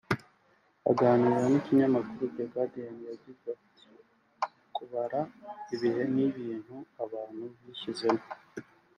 Aganira n’ikinyamakuru The Guardian yagize ati “ Kubara ibihe ni ibintu abantu bishyizemo